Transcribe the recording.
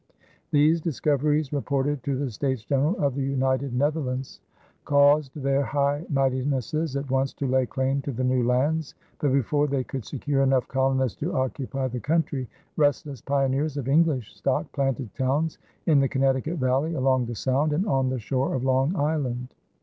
These discoveries reported to the States General of the United Netherlands caused their High Mightinesses at once to lay claim to the new lands; but before they could secure enough colonists to occupy the country, restless pioneers of English stock planted towns in the Connecticut valley, along the Sound, and on the shore of Long Island.